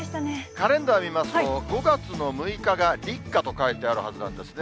カレンダー見ますと、５月の６日が立夏と書いてあるはずなんですね。